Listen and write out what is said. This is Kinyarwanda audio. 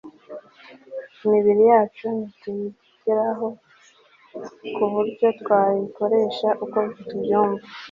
imibiri yacu ntituyigengaho ku buryo twayikoresha uko tubyumva